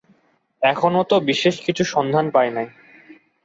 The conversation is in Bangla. এখনো তো বিশেষ কিছু সন্ধান পাই নাই।